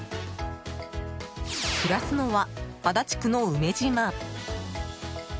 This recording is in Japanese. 暮らすのは、足立区の梅島。